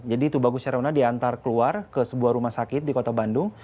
tubagus herona diantar keluar ke sebuah rumah sakit di kota bandung